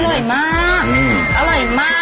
อร่อยมาก